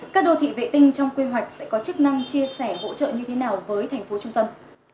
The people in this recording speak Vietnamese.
các đô thị vệ tinh trong quy hoạch sẽ có chức năng chia sẻ hỗ trợ như thế nào với thành phố trung tâm